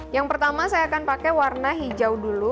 yang pertama saya akan pakai warna hijau dulu